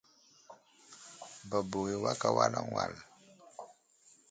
Babo i awak awalaŋ wal.